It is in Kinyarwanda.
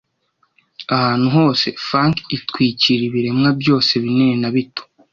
ahantu hose funk itwikira ibiremwa byose binini na bito